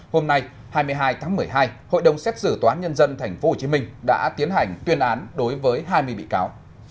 hôm nay hai mươi hai tháng một mươi hai hội đồng xét xử tòa án nhân dân tp hcm đã tiến hành tuyên án đối với hai mươi bị cáo